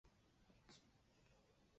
后任横须贺镇守府长。